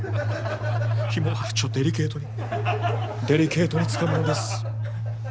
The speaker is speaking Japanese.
ひもをちょっとデリケートにデリケートにつかむのです。